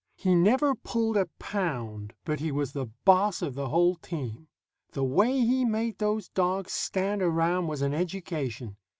He never pulled a pound, but he was the boss of the whole team. The way he made those dogs stand around was an education.